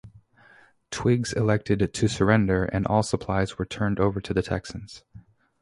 Twiggs elected to surrender and all supplies were turned over to the Texans.